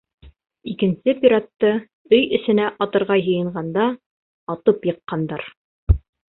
Икенсе пиратты өй эсенә атырға йыйынғанда атып йыҡҡандар.